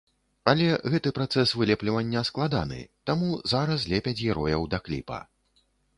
Але гэты працэс вылеплівання складаны, таму зараз лепяць герояў да кліпа.